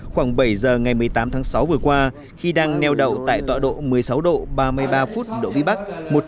khoảng bảy giờ ngày một mươi tám tháng sáu vừa qua khi đang neo đậu tại tọa độ một mươi sáu độ ba mươi ba phút độ vĩ bắc